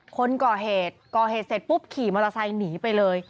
คนก่อเหตุก่อเหตุเสร็จปุ๊บขี่มอเตอร์ไซค์หนีไปเลย